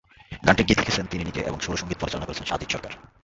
গানটির গীত লিখেছেন তিনি নিজে এবং সুর ও সংগীত পরিচালনা করেছেন সাজিদ সরকার।